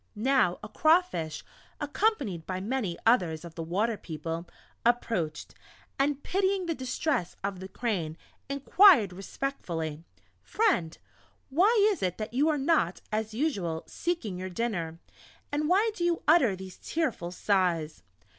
Now, a Crawfish, accompanied by many others of the Water people, approached, and pitying the distress of the Crane, inquired respectfully: "Friend, why is it that you are not, as usual, seeking your dinner, and why do you utter these tearful sighs?"